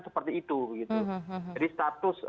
seperti itu jadi status